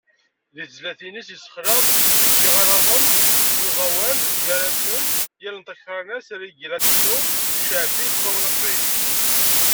Deg tezlatin-is, yessexleḍ deg yiɣaladen n uẓawan, gar-asen Yal n Takfarinas, Reggai, Latino, Ccaɛbi, d uẓawan aqbayli.